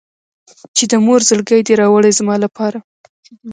چې د مور زړګی دې راوړي زما لپاره.